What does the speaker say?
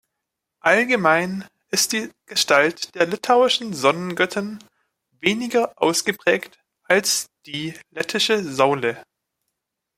Allgemein ist die Gestalt der litauischen Sonnengöttin weniger ausgeprägt als die lettische Saule.